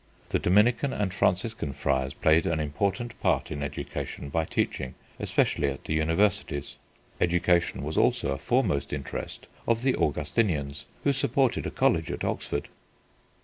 The Dominican and Franciscan Friars played an important part in education by teaching, especially at the Universities. Education was also a foremost interest of the Augustinians, who supported a college at Oxford.